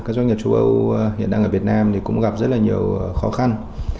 các doanh nghiệp châu âu hiện đang ở việt nam cũng gặp rất nhiều khó khăn